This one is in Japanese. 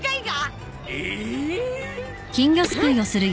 えっ！？